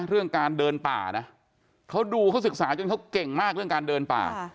เรื่องการเดินป่านะเขาดูเขาศึกษาจนเขาเก่งมากเรื่องการเดินป่า